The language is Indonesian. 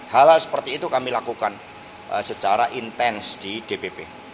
hal hal seperti itu kami lakukan secara intens di dpp